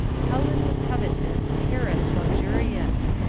Helen was covetous, Paris luxurious.